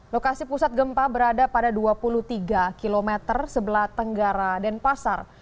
lokasi pusat gempa berada pada dua puluh tiga km sebelah tenggara dan pasar